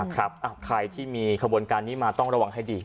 ใครที่มีขบวนการนี้มาต้องระวังให้ดี